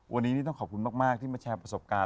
วันนี้นี่ต้องขอบคุณมากที่มาแชร์ประสบการณ์